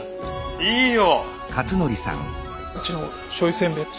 いいよ！